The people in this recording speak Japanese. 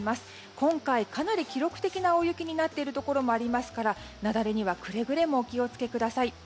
今回、かなり記録的な大雪になっているところがありますから雪崩にはくれぐれもお気を付けください。